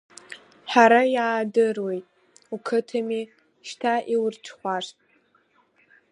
Ҳара иаадыруеит, уқыҭами, шьҭа иурҽхәашт.